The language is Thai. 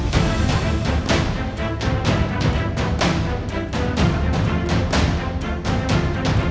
ฉันรักกว่าชาเชฉันรักกว่าชาเช